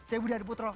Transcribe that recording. saya budi hadi putro